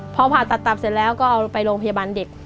พอผ่าตัดตับเสร็จแล้วก็เอาไปโรงพยาบาลเด็ก